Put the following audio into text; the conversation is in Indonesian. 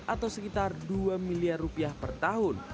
atau sekitar dua miliar rupiah per tahun